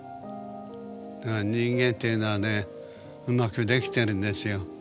人間っていうのはねうまくできてるんですよ。